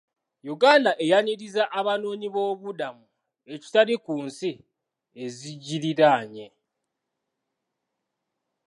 Uganda eyaniriza abanoonyi boobubudamu ekitali ku nsi ezigiriraanye.